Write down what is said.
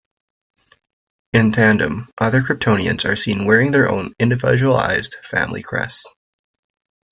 In tandem, other Kryptonians are seen wearing their own individualized family crests.